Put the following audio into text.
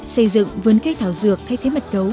xây dựng vấn cây thảo dược thay thế mật cấu